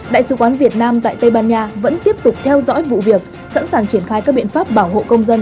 đại sứ quán việt nam tại tây ban nha vẫn tiếp tục theo dõi vụ việc sẵn sàng triển khai các biện pháp bảo hộ công dân